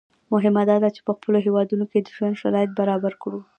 مهمه دا ده چې په خپلو هېوادونو کې د ژوند شرایط برابر کړو.